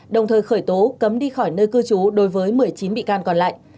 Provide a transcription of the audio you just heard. đồng thời khởi tố cấm đi khỏi nơi cư trú đối với một mươi chín bị can còn lại